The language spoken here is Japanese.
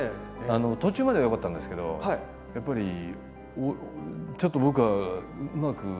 途中まではよかったんですけどやっぱりちょっと僕はうまくあんまりいかなくて。